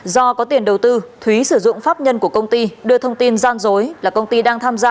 do có tiền đầu tư thúy sử dụng pháp nhân của công ty đưa thông tin gian dối là công ty đang tham gia